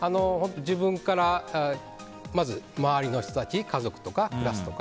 自分から、まず周りの人たち家族とかクラスとか。